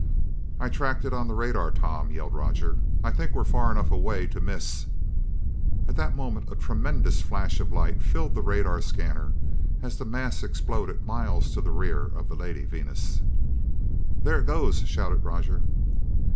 "I tracked it on the radar, Tom," yelled Roger. "I think we're far enough away to miss " At that moment a tremendous flash of light filled the radar scanner as the mass exploded miles to the rear of the Lady Venus. "There it goes!" shouted Roger.